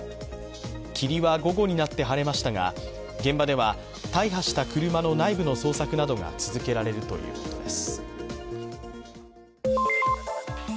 霧は午後になって晴れましたが現場では大破した車の内部の捜索などが続けられるということです。